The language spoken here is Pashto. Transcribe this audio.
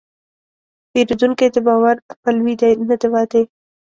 پیرودونکی د باور پلوي دی، نه د وعدې.